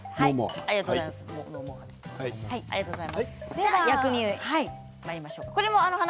では薬味にまいりましょう。